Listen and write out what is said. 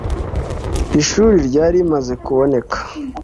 Ishuli ryari rimaze kuboneka